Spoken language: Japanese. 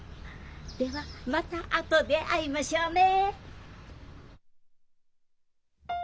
ではまた後で会いましょうね。